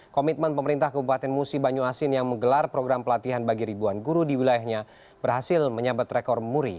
komitmen pemerintah kabupaten musi banyu asin yang menggelar program pelatihan bagi ribuan guru di wilayahnya berhasil menyabet rekor muri